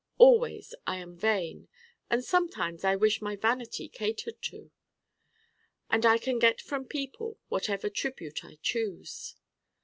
Always I am vain and sometimes I wish my vanity catered to. And I can get from people whatever tribute I choose.